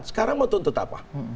sekarang mau tuntut apa